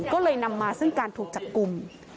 ก็เลยนำมาซึ่งการถูกจับกลุ่ม